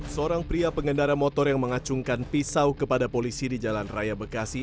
seorang pria pengendara motor yang mengacungkan pisau kepada polisi di jalan raya bekasi